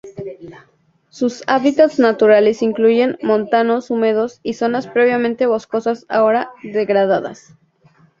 Sus hábitats naturales incluyen montanos húmedos y zonas previamente boscosas ahora degradadas.